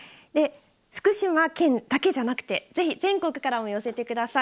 福島県だけじゃなくてぜひ、全国からも寄せてください。